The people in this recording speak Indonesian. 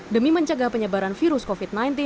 demi mencegah penyebaran virus covid sembilan belas